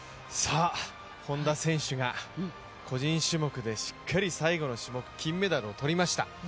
本多選手が、個人種目でしっかり最後の種目金メダルをとりました。